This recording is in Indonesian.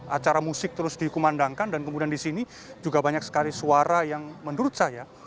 acara musik terus dikumandangkan dan kemudian di sini juga banyak sekali suara yang menurut saya